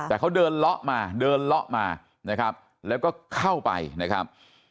แต่เขาเดินเลาะมาเดินเลาะมานะครับแล้วก็เข้าไปนะครับ